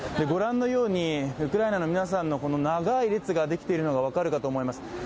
御覧のように、ウクライナの皆さんの長い列ができているのが分かるかと思います。